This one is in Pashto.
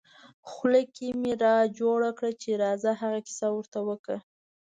خوله کې مې را جوړه کړه چې راځه هغه کیسه ور ته وکړه.